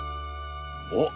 おっ！